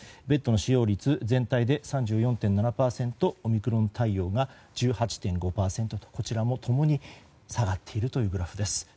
ベッドの使用率全体で３４．７％オミクロン対応が１８．５％とこちらも共に下がっているというグラフです。